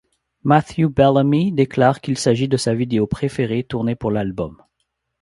Matthew Bellamy déclare qu'il s'agit de sa vidéo préférée tournée pour l'album.